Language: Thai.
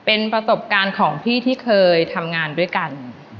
เป็นประสบการณ์ของพี่ที่เคยทำงานด้วยกัน